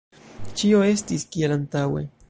Ĉio estis kiel antaŭe.